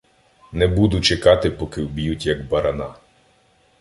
Не буду чекати, поки вб'ють, як барана.